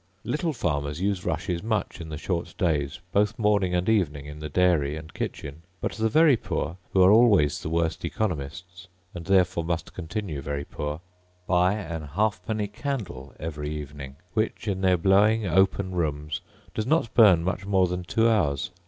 Little farmers use rushes much in the short days, both morning and evening in the dairy and kitchen; but the very poor, who are always the worst economists, and therefore must continue very poor, buy an halfpenny candle every evening, which, in their blowing open rooms, does not burn much more than two hours.